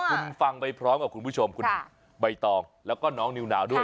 คุณฟังไปพร้อมกับคุณผู้ชมคุณใบตองแล้วก็น้องนิวนาวด้วย